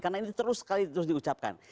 karena ini terus sekali terus diucapkan